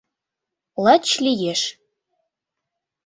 Лач лиеш.